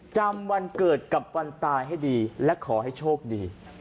จำวันเกิดกับวันตายให้ดีและขอให้โชคดี